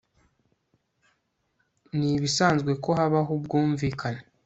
Nibisanzwe ko habaho ubwumvikane